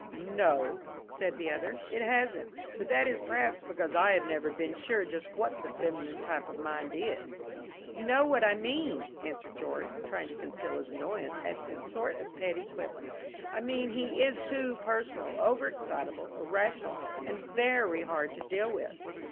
"No," said the other, "it hasn't, but that is perhaps because I have never been sure just what the feminine type of mind is." "You know what I mean," answered George, trying to conceal his annoyance at this sort of petty quibbling. "I mean he is too personal, over excitable, irrational and very hard to deal with."